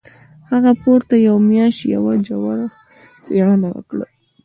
هغه پوره یوه میاشت یوه ژوره څېړنه وکړه